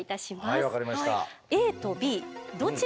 はい分かりました。